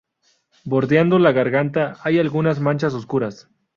Bordeando la garganta hay algunas manchas oscuras.